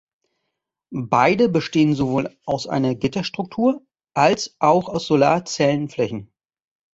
Beide bestehen sowohl aus einer Gitterstruktur als auch aus Solarzellenflächen.